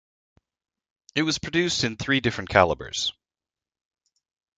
It was produced in three different calibers.